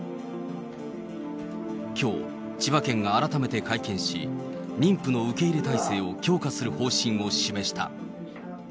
きょう、千葉県が改めて会見し、妊婦の受け入れ態勢を強化する方針を示した。